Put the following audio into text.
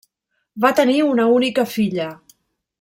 Va tenir una única filla.